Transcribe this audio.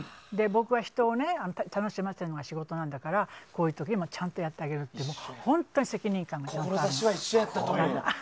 僕は人を楽しませるのが仕事なんだからこういう時にもちゃんとやってあげるという本当に責任感がある。